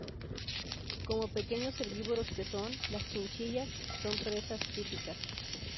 Como pequeños herbívoros que son, las chinchillas son presas típicas.